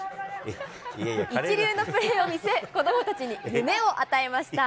一流のプレーを見せ、子どもたちに夢を与えました。